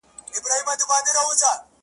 څه خوبونه سړی ویني بیرته څنګه پناه کیږي -